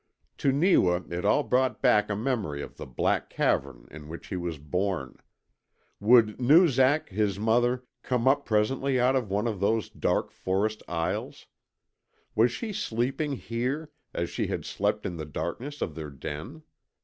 To Neewa it all brought back a memory of the black cavern in which he was born. Would Noozak, his mother, come up presently out of one of those dark forest aisles? Was she sleeping here, as she had slept in the darkness of their den?